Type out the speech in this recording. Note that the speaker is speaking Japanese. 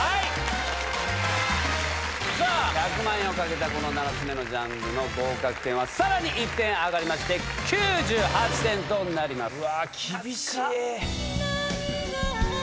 １００万円を懸けたこの７つ目のジャンルの合格点はさらに１点上がりまして９８点となります。